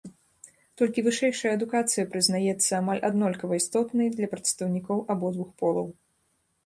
Толькі вышэйшая адукацыя прызнаецца амаль аднолькава істотнай для прадстаўнікоў абодвух полаў.